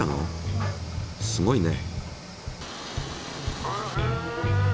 すごいね。